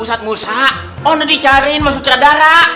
ustadz musa orang dicariin mau sutradara